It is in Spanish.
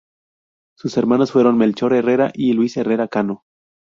Sus hermanos fueron Melchor Herrera y Luis Herrera Cano.